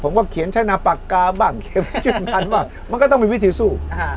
ผมก็เขียนใช้หน้าปากกาบ้างมันก็ต้องมีวิธีสู้อ่า